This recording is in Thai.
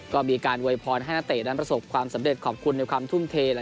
ก็มีการโวยพรให้นักเตะนั้นประสบความสำเร็จขอบคุณในความทุ่มเท